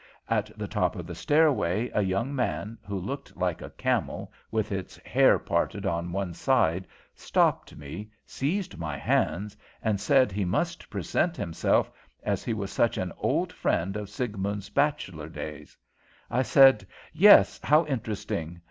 At the top of the stairway a young man, who looked like a camel with its hair parted on the side, stopped me, seized my hands and said he must present himself, as he was such an old friend of Siegmund's bachelor days. I said, 'Yes, how interesting!'